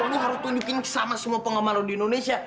lu harus tunjukin sama semua pengamalu di indonesia